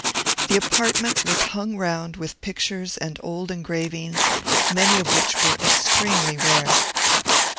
The apartment was hung round with pictures and old engravings, many of which were extremely rare.